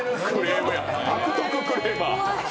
悪徳クレーマー